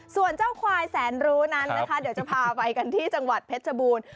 ส่วนเจ้าควายแสนรู้นั้นนะคะเดี๋ยวจะพาไปกันที่จังหวัดเพชรบูรณ์